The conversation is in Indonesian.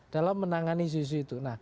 dalam menangani isu isu itu